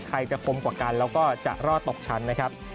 ใครจะคมกว่ากันแล้วก็จะรอดตกชั้นนะครับ